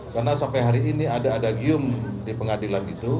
karena sampai hari ini ada ada gium di pengadilan itu